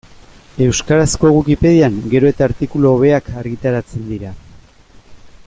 Euskarazko Wikipedian gero eta artikulu hobeak argitaratzen dira.